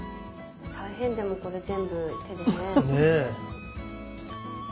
大変でもこれ全部手でね。